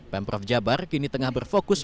pemprov jabar kini tengah berfokus